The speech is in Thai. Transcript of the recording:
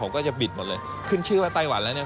ผมก็จะบิดหมดเลยขึ้นชื่อว่าไต้หวันแล้วเนี่ย